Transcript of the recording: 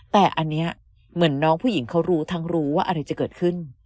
แต่อันนี้เหมือนน้องผู้หญิงเขารู้ทั้งรู้ว่าอะไรจะเกิดขึ้น